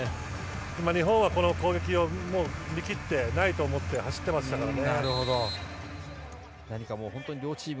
日本はこの攻撃を見切ってないと思って走ってましたからね。